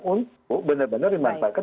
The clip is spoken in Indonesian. untuk benar benar dimanfaatkan